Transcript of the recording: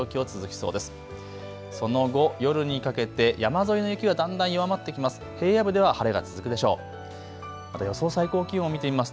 その後、夜にかけて山沿いの雪はだんだん弱まってきます。